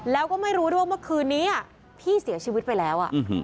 แล้วก็ไม่รู้ด้วยเมื่อคืนนี้พี่เสียชีวิตไปแล้ว